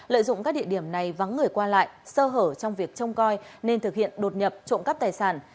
lợi dụng các địa điểm này vắng người qua lại sơ hở trong việc trông coi nên thực hiện đột nhập trộm cắp tài sản